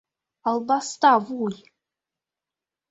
Албаста вуй!